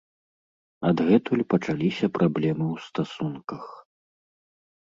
Адгэтуль пачаліся праблемы ў стасунках.